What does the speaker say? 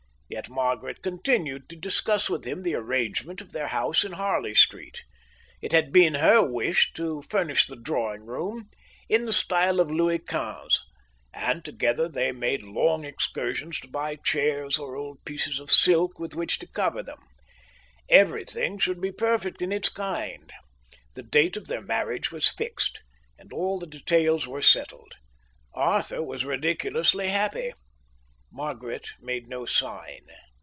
Yet Margaret continued to discuss with him the arrangement of their house in Harley Street. It had been her wish to furnish the drawing room in the style of Louis XV; and together they made long excursions to buy chairs or old pieces of silk with which to cover them. Everything should be perfect in its kind. The date of their marriage was fixed, and all the details were settled. Arthur was ridiculously happy. Margaret made no sign.